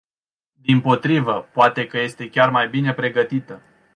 Dimpotrivă, poate că este chiar mai bine pregătită.